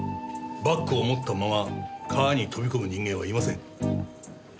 バッグを持ったまま川に飛び込む人間はいません。